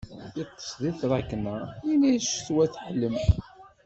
Iṭṭes di tṛakna, yina-as ccetwa teḥlem.